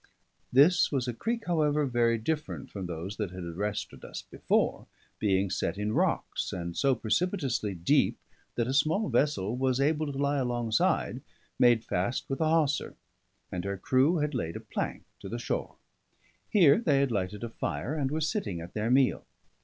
This was a creek, however, very different from those that had arrested us before; being set in rocks, and so precipitously deep that a small vessel was able to lie alongside, made fast with a hawser; and her crew had laid a plank to the shore. Here they had lighted a fire, and were sitting at their meal.